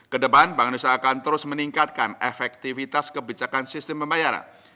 kedepan bank indonesia akan terus meningkatkan efektivitas kebijakan sistem pembayaran